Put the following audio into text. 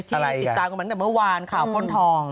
ติดตามกันมาตั้งแต่เมื่อวานข่าวป้นทอง